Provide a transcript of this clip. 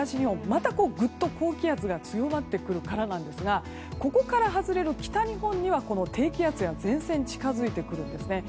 またぐっと高気圧が強まってくるからなんですがここから外れる北日本には低気圧や前線が近づいてくるんですね。